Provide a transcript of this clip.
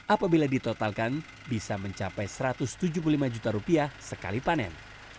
apabila ditotalkan bisa mencapai satu ratus tujuh puluh lima juta rupiah sekali panen